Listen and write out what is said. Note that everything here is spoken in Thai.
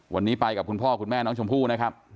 วันนี้ไปกับคุณพ่อคุณแม่น้องชมพู่นะครับ